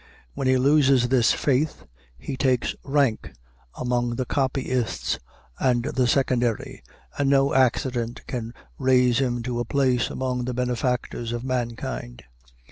When he loses this faith, he takes rank among the copyists and the secondary, and no accident can raise him to a place among the benefactors of mankind.